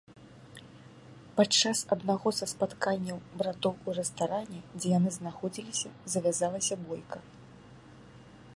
Падчас аднаго са спатканняў братоў у рэстаране, дзе яны знаходзіліся, завязалася бойка.